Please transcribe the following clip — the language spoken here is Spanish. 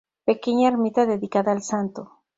Pequeña ermita dedicada al santo.